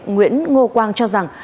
nguyễn ngô quang cho rằng